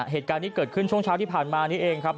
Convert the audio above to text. เหตุการณ์นี้เกิดขึ้นช่วงเช้าที่ผ่านมานี้เองครับ